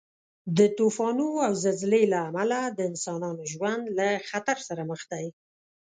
د طوفانو او زلزلې له امله د انسانانو ژوند له خطر سره مخ دی.